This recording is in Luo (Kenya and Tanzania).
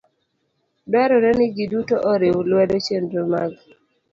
Dwarore ni ji duto oriw lwedo chenro ma g